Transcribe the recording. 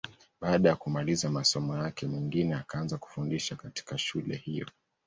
Baada ya kumaliza masomo yake, Mwingine akaanza kufundisha katika shule hiyo.